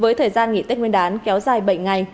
với thời gian nghỉ tết nguyên đán kéo dài bảy ngày